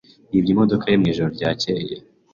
Yibye imodoka ye mwijoro ryakeye.